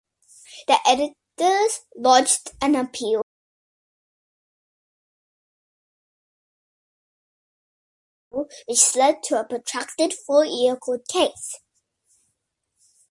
The editors lodged an appeal, which led to a protracted four-year court case.